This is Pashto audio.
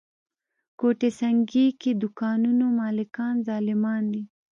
ګوته سنګي کې دوکانونو مالکان ظالمان دي.